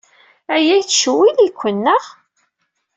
Aya yettcewwil-iken, naɣ?